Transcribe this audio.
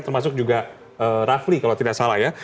termasuk juga rafli kalau tidak salah ya